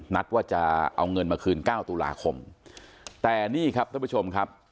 นัดว่าจะเอาเงินมาคืนเก้าตุลาคมแต่นี่ครับท่านผู้ชมครับ